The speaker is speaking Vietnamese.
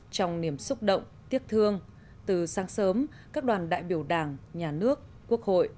trong niềm xúc động tiếc thương từ sáng sớm các đoàn đại biểu đảng nhà nước quốc hội